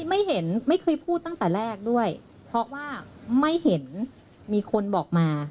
ไม่เห็นไม่เคยพูดตั้งแต่แรกด้วยเพราะว่าไม่เห็นมีคนบอกมา